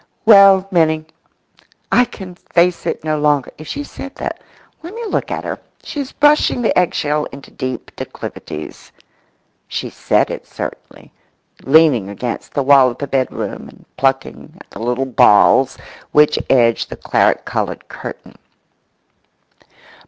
Well, Minnie—"I can face it no longer." If she said that—(Let me look at her. She is brushing the eggshell into deep declivities). She said it certainly, leaning against the wall of the bedroom, and plucking at the little balls which edge the claret coloured curtain.